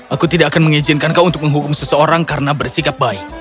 aku tidak akan mengizinkan kau untuk menghukum seseorang karena bersikap baik